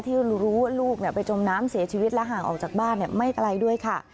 ที่รู้ว่าลูกไปจมน้ำเสียชีวิตและห่างออกจากบ้านไม่ไกลด้วยค่ะ